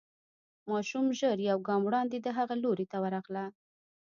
ماشومه ژر يو ګام وړاندې د هغه لوري ته ورغله.